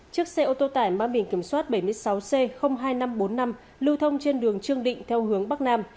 chiếc xe ô tô tải mang biển kiểm soát bảy mươi sáu c hai nghìn năm trăm bốn mươi năm lưu thông trên đường trương định theo hướng bắc nam